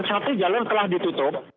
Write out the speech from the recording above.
satu jalur telah ditutup